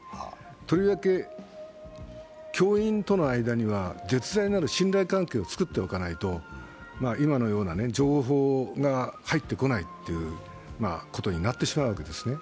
とりわけ、教員との間には絶大なる信頼関係を作っておかないと今のような情報が入ってこないということになってしまうわけですね。